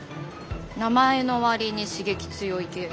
名前の割に刺激強い系。